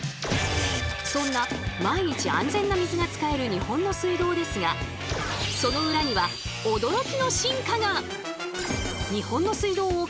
そんな毎日安全な水が使える日本の水道ですがその裏には驚きの進化が！